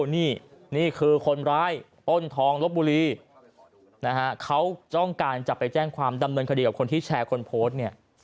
นี่นี่คือคนร้ายอ้นทองลบบุรีนะฮะเขาต้องการจะไปแจ้งความดำเนินคดีกับคนที่แชร์คนโพสต์เนี่ย